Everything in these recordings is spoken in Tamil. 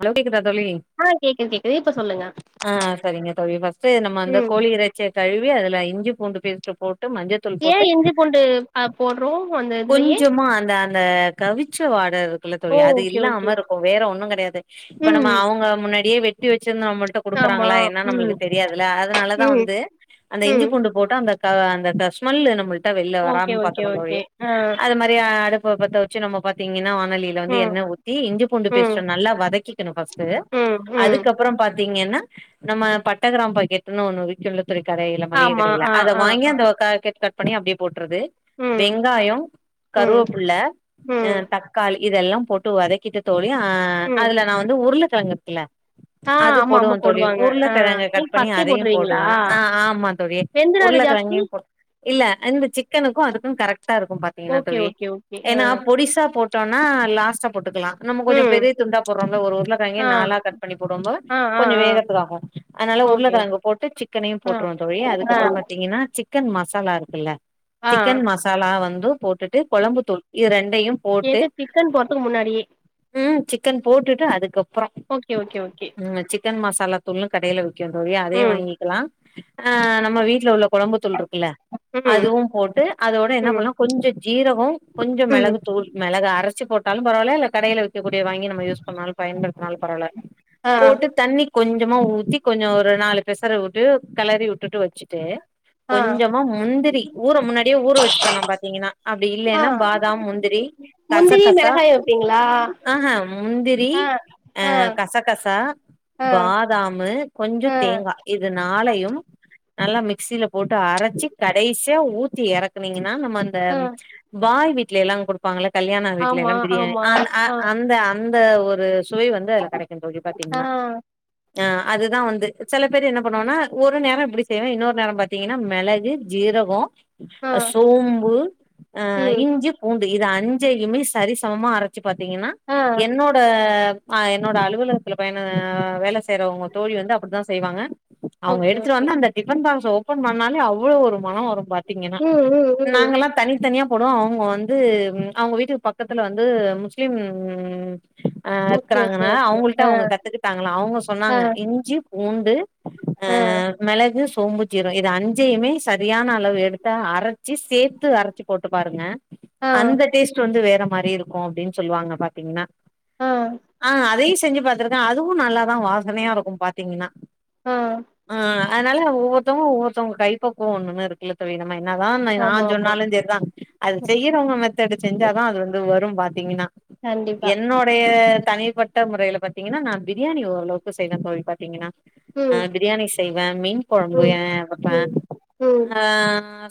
ஹலோ கேக்குதா தோழி ஆ கேக்குது கேக்குது இப்ப சொல்லுங்க ஆ சரிங்க தோழி ஃபஸ்ட்டு நம்ம அந்த ம் கோழி இறை ச்சிய கழுவி அதுல இஞ்சி பூண்டு பேஸ்ட்ட போட்டு மஞ்ச ஏ இஞ்சி பூண்டு அ போட்றோ அந்த இதுலயே மா அந்த அந்த கவிச்சி வாடை இருக்குல்ல தோழி ஓ அது ஓகே ஓகே இல்லாம இருக்கு வேற ஒன்னு கெடையாது, இப்ப நம்ம ம் அவங்க முன்னாடியே வெட்டி வெச்சிருந்து நம்மள்ட்ட ஆமா குடுக்குறாங்களா என்னனு ம் நம்மளுக்கு தெரியாதுல்ல அதனாலதா ம் வந்து அந்த இஞ்சி ம் பூண்டு போட்ட அந்த க அந்த அந்த ஸ்மெல்லு நம்மள்ட்ட வெளில ஓகே வராம ஓகே பாத்துக்கு தோழி ஓகே ஆ அது மா ரி அடுப்ப பத்த வச்சு நம்ம பாத்தீங்கனா வானலியில வந்து ம் எண்ண ஊத்தி இஞ்சு பூண்டு ம் பேஸ்ட்ட நல்லா வதக்கிக்கணு ஃபர்ஸ்ட் ம் ம் அதுக்கப் பறோ பாத்தீங்கனா நம்ம பட்ட கிராம்ப பாக்கெட் ஒண்ணு விக்கியுல்ல தோழி கடையில மளிகை ஆமா கடையில ஆ அத ஆ வாங்கி அந்த க கெட் கட் பண்ணி அப்டியே போட்டுறது ம் வெங்காயோ, ம் கருவேப்புல, ம் அ தக்காளி இதெல்லா போட்டு வதக்கிட்டு தோழி ஆ ம் அதுல நா வந்து உருளக்கெழங்கு இருக்குல்ல ஆ அது ஆமா ஆமா போடுவே தோழி, போடுவாங்க ஆ உருளைக்கெழங்க நீங்க கட் பண்ணி ஃபஸ்ட்டே அதையு போடுவே, ஆ ஆமா தோழி, வெந்துறாது ஜாஸ்தி உருளக்கெழங்கையு போட் இல்ல இந்த சிக்கனுக்கு அதுக்கு கரெக்டா இருக்கு பாத்தீங்கனா ஓகே தோழி ஓகே ஓகே ஆ ஏன்னா பொடிசா போட் ட்டோன்னா லாஸ்டா போட்டுக்கலா நம்ம கொஞ்சோ ம் பெரிய துண்டா போட்றோம்ல ஒரு உருளக்கெழங்கையே ஆ நாலா கட் பண்ணி போடுவோங்க ஆ ஆ கொஞ்ச ஆ வேகறத்துக்காகு அதனால ஓகே ஓகே உருளக்கெழங்கு போட்டு சிக்கனையும் ஆ போட்ருவோ தோழி, ஆ அதுக்கப்பறோ பாத்தீங்கனா சிக் கன் மசாலா இருக்குல்ல ஆ சிக்கன் மசாலா வந்து போட்டுட்டு கொழம்பு தூள் இது ரெண்டையு போட்டு எது சிக்கன் போட்றதுக்கு முன்னாடியே ம் சிக்கன் போட்டுட்டு அதுக்கப்பறோ ஓகே, ஓகே, ஓகே. நம்ம சிக்கன் மசாலா தூளுனு கடையில விக்கிம் தோழி அதயே ம் வாங்கிக்கலா ஆ நம்ம வீட்ல உள்ள கொழம்பு தூள் இருக்குல்ல ம் அதுவு போட்டு அதோட என்ன ம் பண்ணலா கொஞ்சோ ஜீரகோ கொஞ்சோ ம் மெளகு தூள் மெளக அரைச்சு போட்டாலு பரவாயில்ல இல்ல கடையில வி க்க கூடிய வாங்கி நம்ம யூஸ் பண்ணாலும் பயன்படுத்தினாலு பரவால்ல ஆ போட்டு தண்ணி கொஞ்சமா ஊத்தி கொஞ்சோ ஒரு நாலு பெசறு விட்டு கெளறி வுட்டுட்டு வச்சுட்டு ஆ கொஞ்சமா முந்திரி ஊற முன்னாடியே ஊற வச்சுப்பே நா பாத்தீங்கனா அப்டி ஆ இல்லேனா பாதாம் முந்திரி முந்திரி கசகசா மெளகாயு வைப்பீங்களா ஆஹ முந்திரி அ கசகசா ஆ பாதாமு கொஞ்சோ ஆ அ. தேங்கா இது நாளையும் நல்லா மிக்சியில போட்டு அரைச்சி கடைசியா ஊத்தி எறக் கினிங்கனா நம்ம அந்த ஆ பாய் வீட்ல எல்லா குடுப்பாங்கல்ல கல்யாண வீட்ல ஆமா எல்லா பிரியாணி ஆமா அந் அ ஆ அந்த அந்த ஒரு சுவை வந்து அதுல கெடைக்கு தோழி ஆ பாத்தீங்னா ஆ அதுதா வந்து சில பேரு என்ன பண்ணுவாங்கனா ஒரு நேரோ இப்டி செய்வ இன்னொரு நேரோ பாத் தீங்கன்னா மெளகு ஜீரகோ ஆ அ சோம்பு அ ம் இஞ்சி பூண்டு இது அஞ்சையுமே சரி சமமா அரக் ஞ்சி பாத்தீங்கன்னா ஆ என்னோட ஆ என்னோட அலுவலகத்துல பையன வேல செய்யறவங்க தோழி வந்து அப்டித்தா செய்வாங்க அவங்க ஓகே எடுத்துட்டு ஓகே வந்து அந்த டிபன் பாக்ச ஓபன் பண்ணாலே அவ்ளோ ஒரு மனம் வரும் பாத் திங்கன்னா ம் ம் ம் நாங்கல்லா தனி தனியா போடும் அவங்க வந்து அவங்க வீட்டுக்கு பக்கத்துல வந்து முஸ்லீம் ம் ம் அ ஓகே ஓகே க்கறாங்கனால ஓகே அவங்கள்ட்ட ஆ அவங்க கத்துக்கிட்டாங்களா அவுங்க ஆ சொன்னாங்க இஞ்சி பூண்டு அ ஆ மெளகு சோம்பு ஜீரோ இது அஞ்சயுமே சரியான அளவு எடுத்து அரைச்சு சேத்து அர ச்சி போட்டு பாருங்க ஆ அந்த டேஸ்ட் வந்து வேற மாரி இருக்கும் அப்டின் சொல்வாங்க பாத்தீங்கன்னா ஆ ஆ அதயு செஞ்சு பாத்திருக்கேன் அதுவும் நல்லா ஆன வாசனையா இருக்கும் பாத்தீங்கன்னா ஆ ஆ ஆ அதனால ஒவ்வொத்தவங்க ஒவ்வொத்தவங்க கைப்பக்கும் ஒன்னு ஒன்னு இருக்கு இல்ல தோழி நம்ம என்னதான் ஆமா நான் ஆமா சொன்னாலும் செறிதான் அது ம். செய்யறவங்க மெத்தடு செஞ்சாதான் அது வந்து வரும் பாத்தீங்கன்னா கண்டிப்பா என்னோடடைய தனிப்பட்ட முறையில பாத்தீங்கன்னா நா பிரியாணி ஓரளவுக்கு செய்வேன் தோழி பாத்தீங்கன்னா ஆ ம் பிரியாணி செய்வேன் மீன் கொழம்பு ம் ஏன் வப்ப ம் ம் அ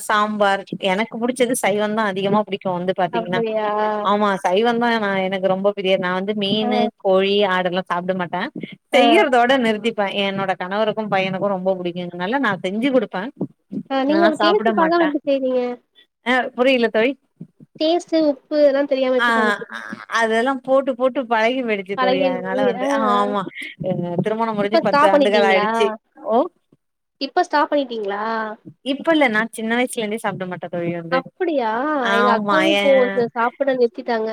சாம்பார் எனக்கு புடிச்சது சைவம் தான் அதிகமா புடிக் இப்போ வந்து பாத்தீங்கன்னா அப்படியா ஆமா சைவம் தான்எனக்கு ரொம்ப பிரியர் நா வந்து ஆ மீனு கோழி ஆடுலாம் சாப்ட மாட்டேன் ஆ செய்யறதோட நிறுதி ப என்னோட கணவருக்கும் பையனுக்கும் ரொம்ப புடிக்கும்னால நா செஞ்சு குடுப்பன் ஆ நீங்க டேஸ்ட் பாக்காம எப்டி செய்றீங்க அ புரியில தோழி டேஸ்ட்டு உப்பு இதலெல்லாம் தெரியும் ஆ அதெல்லாம் போட்டு போட்டு பழகி போயிடுச் சி தோழி அதனால வந்து ஆ ஆமா திருமணம் இப்ப முடிஞ்சு பத்து ஸ்டாப் ஆண்டுகள் பண்ணிட்டீங்களா ஆயிடுச்சு ஓ இப்ப ஸ்டாப் பண்ணிட்டீங்களா இப்ப இல்ல நா ஜின்ன வயசுல இருந்தே சாப்ட மாட்ட அப்படியா எங்க அக்காவும் போது சாப்பட நிறுத்திட்டாங்க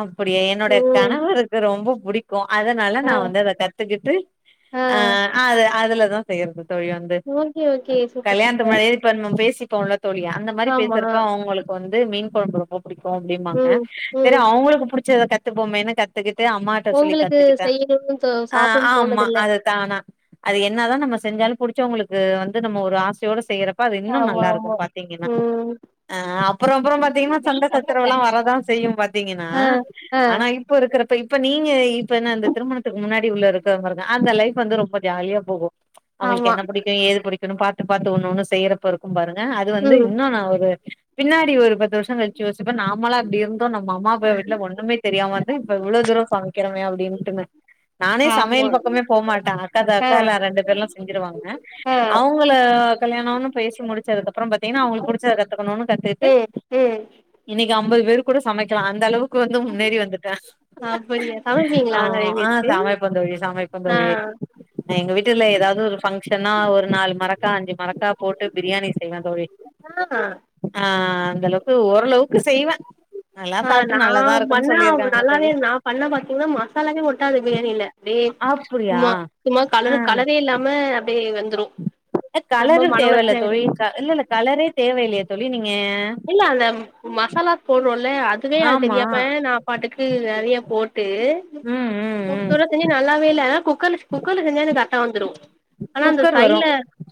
அப்புடி என்னோட ம் கணவருக்கு ரொம்ப புடிக்கும் அதனால ஆ நா வந்து அத கத்துக்கிட்டு ஆ அ அது அதுலதான் செய்றது தோழி வந்து ஓகே ஓகே சூப்பர் கல்யாணத்து சூப்பர் முன்னாடியே பண்ணோம் பேசிப்போம்ல தோழி அந்த மாரி ஆமா பேசுறப்ப அவங்களுக்கு வந்து மீன் கொழம்பு ரொம்ப மடிக்கும் அப்டிபாங்க ம் சேரி ம் அவங்களுக்கு புடிச்சத கத்துப்போமேன்னு கத்துக்கிட்டு அம்மா ட்ட சொல்லி உங்களுக்கு கத்துக்கிட்டேன் செய்யணும்னு தோ ஆ சாப்பிடணும்னு ஆமா தோணதில்ல அது தானா அது என்ன தான் நம்ம செஞ்சாலும் புடிச்சவங்களுக்கு வந்து நம்ம ஒரு ஆசையோட செய்ற ப அது இன்னும் ஆமா நல்லா ஆமா இருக்கும் பாத்தீங்கன்னா ம் அ அப்பறோ அப்பறோ பாத்தீங்கன்னா சண்டச்சரவ எல்லாம் வரதான் செய்யும் பாத் ஏன்னா ஆ ஆ ஆனா இப்ப இருக்கறப்ப இப்ப நீங்க இ இப்ப என்ன அந்த திருமணத்துக்கு முன்னாடி உள்ள இருக்க மாருங்க அந்த லைஃப் வந்து ரொம்ப ஜாலியா போகு அவுங்களுக்கு ஆமா என்ன புடிக்கு ஏது புடிக்குனு பாத்து பாத்து ஒன்னென்னு செய்யறப்ப இருக் கும் பாருங்க அது வந்து ம் இன்னு நா ஒரு பின்னாடி ஒரு பத்து வருஷோ கழிச்சு யோச்சப்ப நாமாளா அப்டி இருந்தோ நம் அம்மாப்பா வீட்ல ஒன்னுமே தெரியாம வந்து இப்ப இவ்ளோ தூரோ சமைக்கறமே அப்டின்டுன நானே ஆமா சமையல் பக்கமே போ மாட்ட அக்கா தா ஆ அக்கா எல்லா ரெண்டு பேருல செஞ்சிருவாங்க ஆ அவு உங்கள கல்யாணோன்னு பேசி முடிச்சதுக்கப்புறோ பாத்தீங்ன்னா அவுங்களுக்கு புடிச்சத கத்துக்கணுனு கத்துக்கிட்டு ம் ம் இன்னைக்கு அம்பது பேருக் கூட சமைக்கலா அந்த அளவுக்கு வந்து முன்னேறி வந்துட்ட அப்படியா சமைப்பீங்களா ஆ நெறைய ஆ பேருக்கு சமைப்பந்தோழி ஆ சமைப்பந்தோழி நா எங்க வீட்டுல எதாவ்து ஒரு ஃபங்க்ஷனா ஒரு நாலு மரக்கா அஞ்சு மரக்கா போட்டு பிரியாணி செய்வே தோழி ஆ ஆ அந்தளவுக்கு ஓரளவுக்கு செய்வே நல்லா ஆ நா சாப்ட்டு நல்லாதா இருக்குன்னு பண்ணா சொல்லியிருக்காங்க நல்லாவே தோழி இல்ல நா பண்ண பாத்தீங்கன்னா மசாலாவே ஒட்டாது பிரியாணியில அப்டியே அப்டியா சும்மா சும்மா ஆ கலரு கலரே இல்லாம அப்டியே வந்துரு கலரு தேவ இல்ல தோழி க இல்லல்ல கலரே தேவ இல்லையே தோழி நீங்க இல்ல அந்த மசாலா போட்றோல அதுவே அது ஆமா தெரியாம நா பாட்டுக்கு நெறைய போட்டு ம் ம் ம் சோறா செஞ்சு நல்லாவே இல்ல ஆனா குக்கர் குக்கர்ல செஞ்சா எனக்கு கர்ட்டா வந்துரு ஆனா இந்த குக்கர் வரு ஃபைல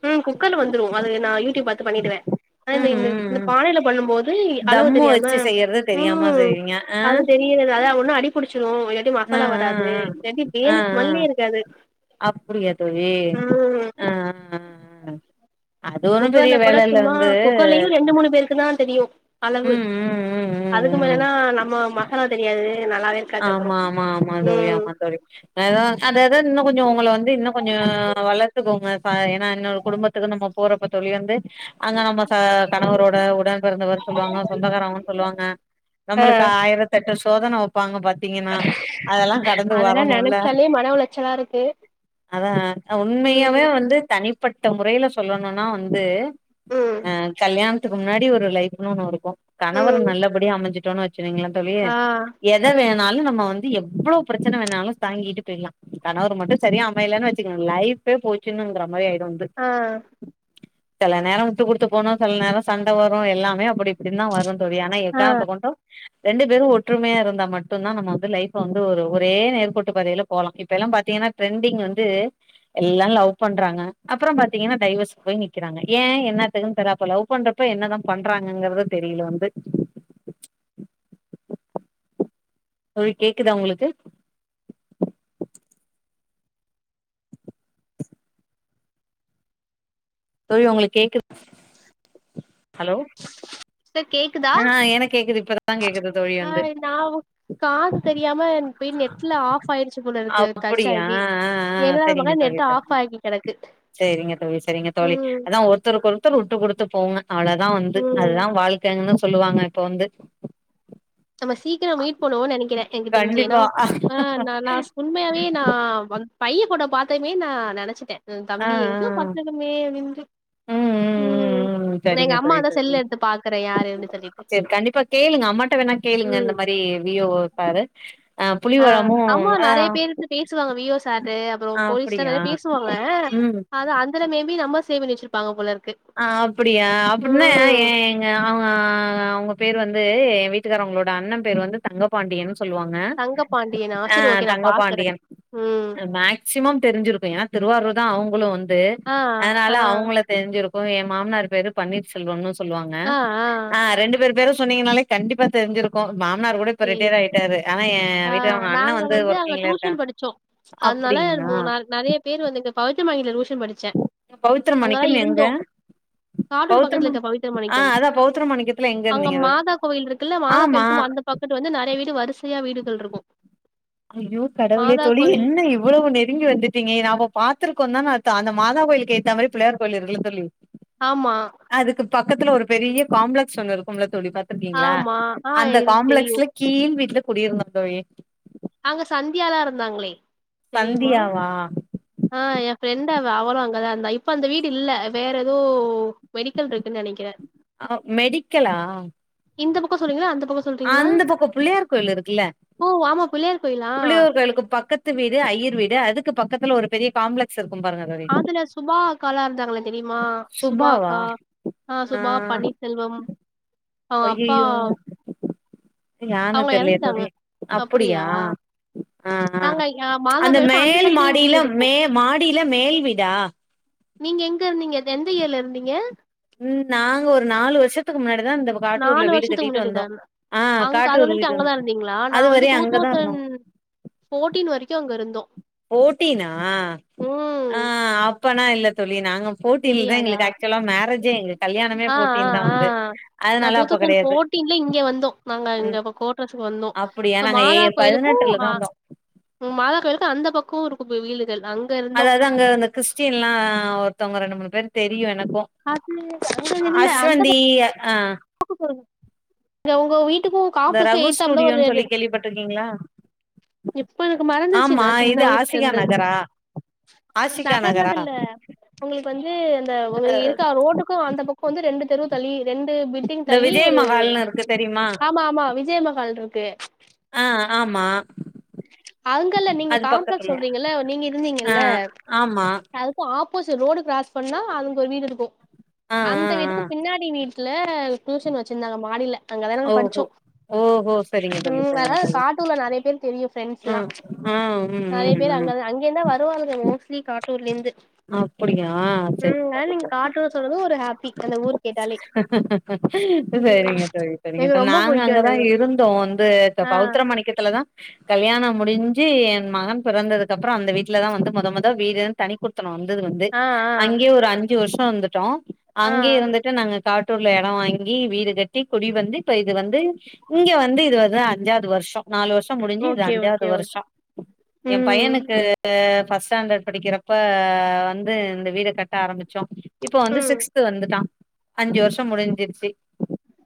ம் குக்கர்ல வந்துரு அது நா யூடியூப் பாத்து பண்ணிடுவே ஆனா இந்த ம் இந்து ம் இந்த ம் பானைல பண்ணும் போது அளவு தம்மு தெரியாம வச்சு செய்யறது தெரியாம ம் செய்வீங்க ஆ அது தெ ரியாது அதா ஒன்னு அடி புடிச்சிரு இல்லாட்டி ஆ மசாலா ஆ வராது இல்லாட்டி பிரியாணி ஸ்மெல்லே இருக்காது அப்படியா தோழி ம் ஆ ஆ ஆ ஆ அது ஒன்னு பெரிய குக்கர்ல கூட வேல இல்ல சும்மா வந்து குக்கர்லையு ரெண்டு மூணு பேருக்கு தா தெரியு அளவு ம் ம் ம் ம் அதுக்கு ம் மேலன்னா நம்ம மசாலா தெரியாது நல்லாவே இருக்காது அப்புறோ ஆமா ஆமா ஆமா தோழி ம் ஆமா தோழி அதா அதாதா இன்னு கொஞ்சோ உங்கள வந்து இன்னு கொஞ்சோ வள த்துக்கோங்க ப ஏனா இன்னொரு குடும்பத்துக்கு நம்ம போறப்ப தோழி வந்து அங்க நம்ம ச கணவரோட உடன் பிறந்தவர் சொல்லுவாங்க சொந்தகாரவங்கன் சொல்லுவாங்க நம்மளுக்கு ஆயிரத்தெட்டு சோதன வெப்பாங்க பாத்தீங்கன்னா அதல்லா கடந்து அதெல்லா வரணுல நெனச்சாலே மன உளைச்சலா இருக்கு அதா அ உண்மையாவே ம் வந்து தனிப்பட்ட முறைல சொல்லணுனா வந்து ம் ஆ கல்யாணத்துக்கு முன்னாடி ஒரு லைஃப்ன் ஒண்ணு இருக்கு கணவர் ம் நல்லபடியா அமஞ்சுட்டோன் வெ ச்சுறிங்ளந்தோழி ஆ எத வேணாலு நம்ம வந்து எவ்ளோ ப்ரெச்சன வேணாலு தாங்கிட்டு போய்ர்லா கணவர் மட்டு செரியா அமையலன் வெச்சுக்கோங் லைஃப்பே போச்சுன்னுங்கற மாறி ஆய்டு வந்து ஆ செல நேரோ விட்டு குடுத்து போனு செல் நேரோ சண்ட வரு எல்லாமே அப்பிடி இப்பகடின்தா வருந் தோழி ஆனா ஆ எக்காரணத்துக் கொண்டு ரெண்டு பேரு ஒற்றுமையா இரு ந்தா மட்டுந்தா நம்ம வந்து லைஃப் வந்து ஒரு ஒரே நேர்கோட்டு பாதைல போலா இப்ப எல்லா பாத்தீங்கன்னா ட்ரெண்டிங் வந்து எல்லா லவ் பண்றாங்க அப்புறோ பாத்தீங்கன்னா டைவஸ்க்கு போய் நிக்குறாங்க ஏ என்னாத்துக்குன்னு தெரா அப்போ லவ் பண்ற ப்ப என்ன தா பண்றாங்கங்கறது தெரில வந்து தோழி கேக்குதா உங்களுக்கு தோழி உங்களுக் கேக்கு ஹலோ சிஸ்டர் கேக்குதா ஆ எனக்கு கேக்குது இப்பதான் கேக்குது தோழி வந்து ஹாய் நா உ காது தெரியாம போய் நெட்ல ஆஃப் ஆயிருச்சு போல இருக்கு டச் அப்படியா ஆகி ஆ ஆ என்னடா பாக்குற நெட் ஆ ஃப் ஆகி கெடக்கு செரிங்க தோழி செரிங்க தோழி ம் அதா ஒருத்தருக்கொ ருத்தர் உட்டு குடுத்து போங்க அவ்ளோதா வந்து அது ம் தா வாழ்க்கைங்கன்னு சொல்லுவாங்க இப்ப வந்து நம்ம சீக்கரோ மீட் பண்ணுவோன் நெனக்கிறே எனக்கு தெரிஞ்சு ஏனா ஆ நா லாஸ் உண்மையாவே நா வந் பைய ஃபோட்டா பாத்ததுமே நா நெனச்சுட்டே ம் ஆ தம்பி எங்க்யோ பாத்திருக்கோமோ அப்டின்டு ம் ம் எங்க சரிங்க அம்மா தோழி வந்தா சரிங்க செல் எட்த்து பாக்குறே யாருன்னு தெரிஞ்சுக்கிட்டு சரி கண்டிப்பா கேளுங்க அம்மாட்ட வேணா கேளுங்க இந்த மாரி வி ஓ ப்பாரு [inaudible] ஆ அம்மா நெறைய பேருட்ட பேசுவாங்க வி ஓ சாரு அப்பறோ போலீஸ்லா அப்படியா நெறைய பேசுவாங்க ஆ ம் அதா அதுல மேபி நம்பர் சேவ் பண்ணி வச்சிருப்பாங்க போலருக்கு ஆ அப்டியா அப்டின்னா ஏ ஏ எ அவங் அவங்க பேரு வந்து எ வீட்டுக்காரவங்களோட அண்ண பேரு வந்து தங்கப்பாண்டியன்னு சொல்லுவாங்க தங்கபாண்டியனா? ஆ சரி ஓகே நான் பாக்குறேன். தங்கபாண்டியன் ம். அ மேக் சிமம் தெரிஞ்சிருக்கு ஏனா திருவாரூர்தா அவங்களு வந்து ஆ, அதனால ஆ, அவங்கள தெரிஞ்சிருக் கு எ மாமனார் பேரு பன்னீர் செல்வம்னு சொல்லுவாங்க ஆ ரெண்டு பேரு பேரு சொன்னீங்கனாலே கண்டிப்பா தெரிஞ்சுரு க்கு மாமனார் கூட இப்ப சரி. ரிட்டையர் ஆயிட்டாரு ஆனா எ ஆ வீட்டு அவெங் அண்ண நாங்க வந்து அங்க ஒர்க்கிங்ல டியூஷன் இருக்காங் படிச்சோ அதனால மு நாலு நெறைய பேரு வந்து இந்த பவித்த மணிலே டியூஷன் படிச்சே அங்க பவித்திர மணிக்கம் எங்க காடூர் பக்கத்துல பௌத்திரமா இருக்க பவித்திர ஆ மணிக்கம் அதா பௌத்திரமாணிக்கத்துல எங்க அங்க இருந்தீங்க தோழி மாதா கோவில் இருக்குல்ல மாதா ஆமா கோயிலுக்கும் அந்த பக்கட்டு வந்து நெறைய வீடு வரிசையா வீடுகள் இருக்கு ஐயோ கடவுளே மாதா தோழி கோயில் என்ன இவ்வளவு நெருங்கி வந்துட் டீங்க நாம்ப பாத்துருக்கோந்த நா அந்த மாதா கோயிலுக்கு ஏத்த மாரி பிள்ளையார் கோயில் இருக்குல்ல தோழி ஆமா அதுக்கு பக்கத்துல ஒரு பெரிய காம்ப்ளெக்ஸ் ஒன்னு இருக்கும்ல தோழி பாத்துருக்கீங்களா ஆமா ஆ அந்த இது தெரியு காம்ப்ளெக்ஸ்ல கீழ் வீட்ல குடி இருந்தோ தோழி அங்க சந்தியாலா இருந்தாங்களே தெரியுமா சந்தியாவா ஆ எ ஃப்ரெண்டா அவ அவளு அங்கதா இருந்தா இப்ப அந்த வீடு இல்ல வேற எதோ மெடிக்கல் இருக்குன்னு நெனைக்கிறே ஆ மெடிக்கலா இந்த பக்கொ சொல்றீங்ளா அந்த பக்கொ சொ அந்த பக்கோ புள்ளியார் கோயில் இருக்குல்ல ஓ ஆமா பிள்ளையார் கோயிலா புள்ளியார் கோயிலுக்கு பக்கத் து வீடு ஐயர் வீடு அதுக்கு பக்கத்துத்துல ஒரு பெரிய காம்ப்ளெக்ஸ் இருக்கும் பாருங்க தோழி அதுல சுபாக்காலா இருந்தாங்களே தெரியுமா சுபாவா சுபாக்கா ஆ சுபா பன்னி செல்வம் அவ அப்பா து யார்னு அவங்க தெர்லயே எறந்துட்டாங்க தோழி அப்படியா அப்டியா ஆ அ நாங்க ஆ மாதா அந்த கோயிலுக்கு மேல் சைடு மாடில வீடு இருக்கு மே மாடில மேல் வீடா நீங்க எங்க இருந்தீங்க எந் எந்த ஏர்ல இருந்தீங்க ம் நாங்க ஒரு நாலு வருஷத்துக்கு முன்னாடிதா இந்த பக் நாலு வருஷத்துக்கு முன்னாடிதான அங்க காட்டூர் அதுவரைக்கு வந்து வீடு அங்கதா இருந்தீங்களா நா அது வந்து வரையு டூ அங்கதா இருந்தோ தௌசண் ஃபோர்ட்டின் வரைக்கு அங்க இருந்தோ ஃபோர்ட்டினா ம் ஆ அப்பனா இல்ல தோழி நாங்க ஃபோட்டிலதா தெரியாதா எங்களுக்கு ஆக்சுவலா மேரேஜே எங்க கல்யாணமே ஆ ஆ ஃபோட்டின்தா ஆ வந்து நா அதனால டூ அப்ப தௌசண் கெடையாது ஃபோர்ட்டீன்ல இங்கே வந்தோ நாங்க ம் இங்க கோட்ரஸுக்கு வந்தோ அப்டியா ங்க நாங்க ஏ மாதா பதினெட்டுலதா வந்தோ ம் மாதாக்கோயிலுக்கு அந்த பக்கொ இருக்குப வீடுகள் அங் அதாவது அங்க அந்த கிறிஸ்டின்லா ஒருத்தவங்க ரெண்டு மூணு பேரு தெரியு எனக்கு அது அஸ்வந்தி அ ங்க ஒங்க வீட்டுக்கு இந்த காம்ப்ளெக்ஸ்க்கு ரகு எய்த்தாப்ல ஒரு ஸ்டுடியோன்னு இது சொல்லி கேள்விப்பட்டுருக்கீங்ளா இப்ப எனக்கு மறந்துருச்சு நா சின்ன வயிசுல ஆசிகா இருந்தது நகரா ஆஷிகா சகர்ல நகரா தல்ல. உங்குளுக்கு வந்து அந்த உங்க இருக்க ரோட்டுக்கு அந்த பக்கோ வந்து ரெண்டு தெருவு தள்ளி ரெண்டு பில்டிங் இந்த தள்ளி விஜய் ஒரு மஹால்னு இருக்கு தெரியுமா ஆமா ஆமா விஜய மஹால்ருக்கு. அ ஆமா. அங்க இல்ல நீங்க அது காம்ப்ளக்ஸ் பக்கத்துலயா சொல்றீங்கல்ல நீங்க ஆ இருந்தீங்கல்ல ஆமா அத க்கு ஆப்போசிட் ரோடு கிராஸ் பண்ணா அங்க ஒரு வீடு இருக்கு ஆ ஆ அந்த வீட்டு ஆ க்கு பின்னாடி வீட்ல டியூஷன் வெச்சிந்தாங்க மாடில அங்கதா ‌நாங்க ஓஹோ படிச்சோ ஓஹோ சரிங்க தோழி ம் அதா சரிங்க அது தோழி காட்டூர்ல நறைய பேர் [unintelligible] பிரெண்ட்ஸ்ல்லா ம் ஆ ம் நறைய ம் பேர் ம் அங்கதா அங்கிந்தா வருவாளுக மோஸ்ட்லி காட்டூர்லிந்து. அப்படியா செரி [inaudible] காட்டூர் சொன்னது ஒரு ஹேப்பி அந்த ஊருக் செரிங்க தோழி செரிங்க எனக்கு தோழி ரொம்ப நாங்க புடிக்கு அந்த அங்கதா ஊர் இருந்தோ வந்து த ஆ பவு த்துர மாணிக்கத்துலதா கல்யாணம் முடிஞ்சி என் மகன் பிறந்ததுக்குப்புறோ அந்த வீட்டுலதா வந்து மொதொ மொதொ வீடுன் தனி குடி த்தனோ வந்தது வந்து ஆ ஆ அங்கியே ஒரு அஞ்சு வருஷோ இந்துட்டோ ஆ அங்கியே இருந்துட் டு நாங்க காட்டூர்ல எடோ வாங்கி வீடு கட்டி குடி வந்து இப்ப இது வந்து இங்க வந்து இது வதா அஞ்சாவ்து வருஷோ நாலு வருஷோ முடிஞ்சி இது ஓகே அஞ்சாவது ஓகே ஓகே வருஷோ. எ ம் பையனுக்கு ஃபஸ்ட் ஸ்டாண்டடு படிக்கிறப்ப வந்து இந்த வீடு கட்ட ஆரம்பிச்சோ. இப்போ வந்து ம் சிக்ஸ்து வந்துட்டா அஞ்சு வர்ஷோ முடிஞ்சிருச்சி.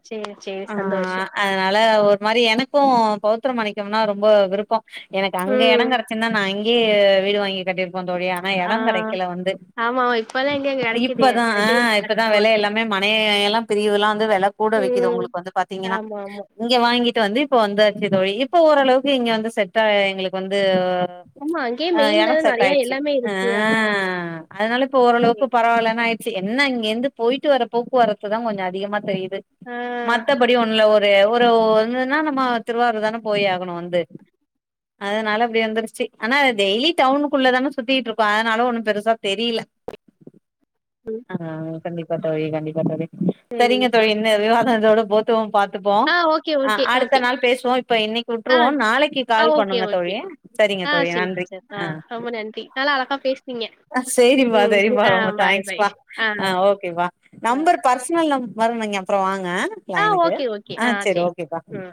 சேரி சேரி சந்தோஷோ. அதனால ஒரு மாரி எனக்கு பௌத்திரம் அன்னிக்கும்னா ரொம்பொ விருப்போ. எனக்கு அங்க எடோ ம் கெடைச்சிந்தா நா அங்கியே வீடு வாங்கி கட்டிருப்பே தோழி ஆ னா எடோ கெடைக்கல வந்து ஆமா இப்பல்லா எங்க கெடைக்குது இப்பதா அ கெடைக்கிறது ரொம்ப இப்பதா கஷ்டமா வெலை இருக்கு எல்லா மே மனை எல்லா பிரிவுல்லா வந்து வெல கூட விக்குது ம் உங்குளுக்கு வந்து பாத்தீங்கனா ஆமா ஆமா உ இங்க வாங்கிட்டு வந்து இப்ப வந்தாச்சு தோழி இப்ப ஓரளவுக்கு இங்க வந்து செட்டா எங்குளுக்கு வந்து ஆமா அங்கேயே அ அ மெயின்ல எனக் நெறைய செட்டாயிட்ச்சி எல்லாமே இருக்கு ஆமா அ அதனால இப்ப ஓரளவுக்கு சரி. பரவால்லன் ஆய்டுச்சி என்ன இங்கிந்து போயிட்டு வர போக்குவரத்துதா கொஞ்சோ அதிகமா தெரியிது. ஆ மத்தபடி ஒன்ல ஒரு ஒருவ் வந்துதுனா நம்ம திருவாரூர் தானே போய் ஆகணு வந்து. அதனால அப்பிடி வந்துருச்சி ஆனா அது டெய்லி டவுனுக்குள்ளதான சுத்திட்ருக்கோ அதனால ஒன்னு பெருசா தெரில. ஆ கண்டிப்பா தோழி கண்டிப்பா தோழி சேரிங்க செரிங்க சிஸ் தோழி இன்ன விவாதோ இதோட போ ட்டு பாத்துப்போ ஆ ஓகே அ ஓகே அடுத்த ஓகே நாள் பேசுவோ இப்ப இன்னிக்கி ஆ விட்டுருவோ நாளைக்கி ஆ கால் ஓகே பண்ணுங்க தோழி. ஓகே சரிங்க ஆ தோழி செரிங் நன்றி சிஸ்டர் ஆ ரொம்ப நன்றி நல்லா அழகா பேசுனீங்க. ஆ சேரிம்மா ம். செரிப்பா ஆ ரொம்ப பாய், தேங்க்ஸ் பாய். பா ஆ ஓகேப்பா. அ ஆ. நம்பர் பர்சனல் நம் பர் நீங்க அப்புறோ வாங்க ஆ லைனுக்கு ஓகே, ஓகே. ஆ செரி சரி. ஓகேப்பா. ம்.